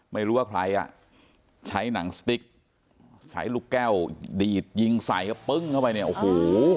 ไม่รู้ว่าใครอ่ะใช้หนังสติ๊กใช้ลูกแก้วดีดยิงใส่ก็ปึ้งเข้าไปเนี่ยโอ้โห